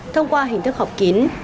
thông qua hình thức học kín